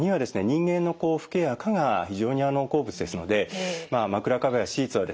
人間のフケや垢が非常に好物ですのでまあ枕カバーやシーツはですね